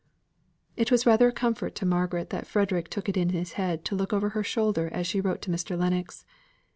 It was rather a comfort to Margaret that Frederick took it into his head to look over her shoulder as she wrote to Mr. Lennox.